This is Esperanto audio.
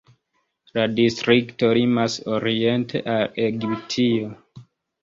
La distrikto limas oriente al Egiptio.